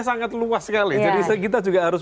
sangat luas sekali jadi kita juga harus